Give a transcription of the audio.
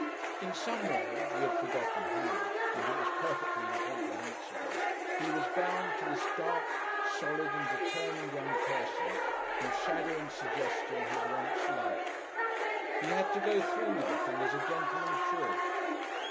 In some way (he had forgotten how and it was perfectly incomprehensible) he was bound to this dark, solid and determined young person whose shadow and suggestion he had once loved. He had to go through with the thing as a gentleman should.